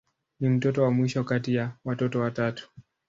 Ni mtoto wa mwisho kati ya watoto watatu.